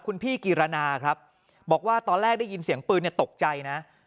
คุณพี่กิรณาครับบอกว่าตอนแรกได้ยินเสียงปืนตกใจนะ